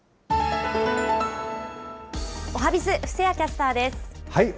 おはＢｉｚ、布施谷キャスターです。